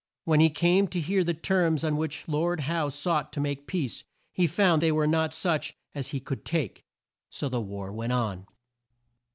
When he came to hear the terms on which Lord Howe sought to make peace, he found they were not such as he could take, so the war went on.